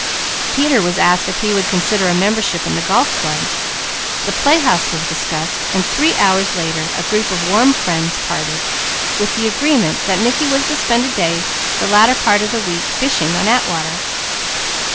Peter was asked if he would consider a membership in the Golf Club, the playhouse was discussed, and three hours later a group of warm friends parted, with the agreement that Mickey was to spend a day of the latter part of the week fishing on Atwater.